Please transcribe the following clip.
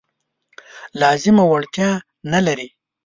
لازمه وړتیا نه لري.